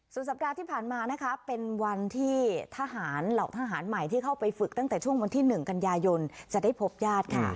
สัปดาห์ที่ผ่านมานะคะเป็นวันที่ทหารเหล่าทหารใหม่ที่เข้าไปฝึกตั้งแต่ช่วงวันที่๑กันยายนจะได้พบญาติค่ะ